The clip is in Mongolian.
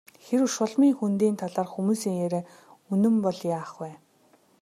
Хэрэв Шулмын хөндийн талаарх хүмүүсийн яриа үнэн бол яах вэ?